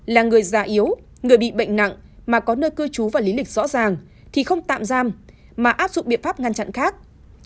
là người già yếu người bị bệnh nặng mà có nơi cư trú và lý lịch rõ ràng thì không tạm giam mà áp dụng biện pháp ngăn chặn khác